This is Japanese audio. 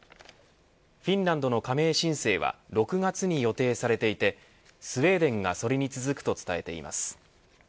フィンランドの加盟申請は６月に予定されていてスウェーデンがそれに続くと伝えています。